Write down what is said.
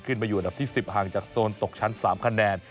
อยู่อันดับที่๑๐ห่างจากโซนตกชั้น๓คะแนน